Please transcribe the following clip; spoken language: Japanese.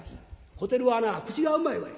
「小照はな口がうまいわい。